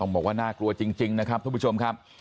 บอกว่าน่ากลัวจริงนะครับทุกผู้ชมครับ